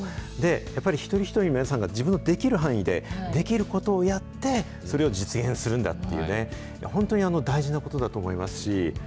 やっぱり一人一人皆さんが、自分のできる範囲でできることをやって、それを実現するんだっていうね、本当に大事なことだと思いますし。